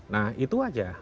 nah itu aja